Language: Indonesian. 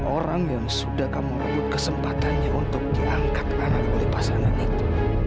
orang yang sudah kamu rebut kesempatannya untuk diangkat anak oleh pasangan itu